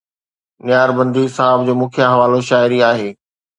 نياربندي صاحب جو مکيه حوالو شاعري آهي